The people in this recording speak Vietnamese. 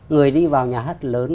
người đi vào nhà hát lớn